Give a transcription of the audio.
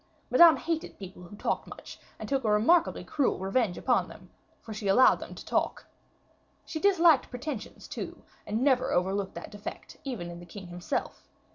Madame hated people who talked much, and took a remarkably cruel revenge upon them, for she allowed them to talk. She disliked pretension, too, and never overlooked that defect, even in the king himself.